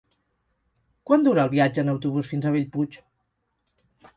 Quant dura el viatge en autobús fins a Bellpuig?